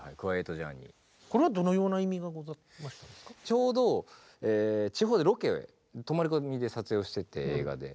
ちょうど地方でロケ泊まり込みで撮影をしてて映画で。